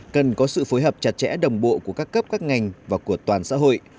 cần có sự phối hợp chặt chẽ đồng bộ của các cấp các ngành và của toàn xã hội